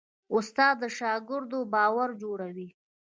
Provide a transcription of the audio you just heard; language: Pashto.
استاد د شاګرد باور جوړوي.